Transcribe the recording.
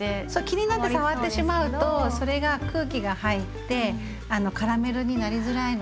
気になって触ってしまうとそれが空気が入ってカラメルになりづらいので触らずに。